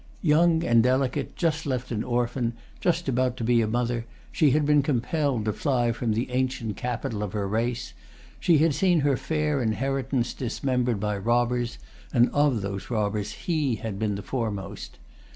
Young and delicate, just left an orphan, just about to be a mother, she had been compelled to fly from the ancient capital of her race; she had seen her fair inheritance dismembered by robbers, and of those robbers he had been the foremost.